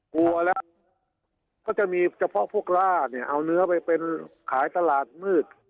กลัวแล้วก็จะมีเฉพาะพวกล่าเนี่ยเอาเนื้อไปเป็นขายตลาดมืด